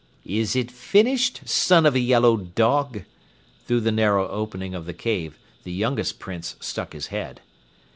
"Is it finished, son of a yellow dog?" Through the narrow opening of the cave, the youngest Prince stuck his head.